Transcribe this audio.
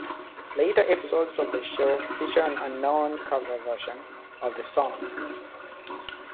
Later episodes of the show feature an unknown cover version of the song.